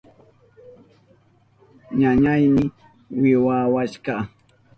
Ñañayni wiwawashka.